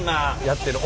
やってる。